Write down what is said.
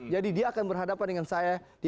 jadi dia akan berhadapan dengan saya di